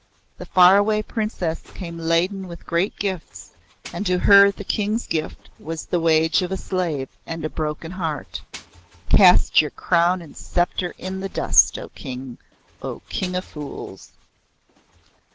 The Far Away Princess came laden with great gifts, and to her the King's gift was the wage of a slave and a broken heart. Cast your crown and sceptre in the dust, O King O King of Fools."